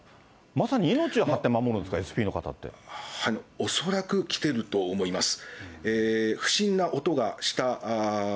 まさに命を張って守るんですか、恐らく着てると思います。